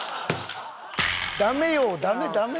「ダメよダメダメ！」